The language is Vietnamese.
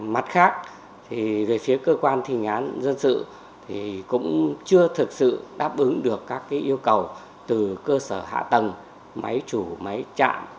mặt khác thì về phía cơ quan thi hành án dân sự thì cũng chưa thực sự đáp ứng được các yêu cầu từ cơ sở hạ tầng máy chủ máy chạm